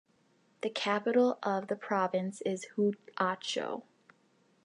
The capital of the province is Huacho.